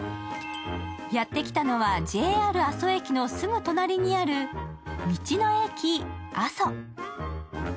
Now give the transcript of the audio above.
やって来たのはＪＲ阿蘇駅のすぐ隣にある道の駅阿蘇。